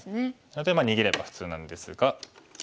なので逃げれば普通なんですが。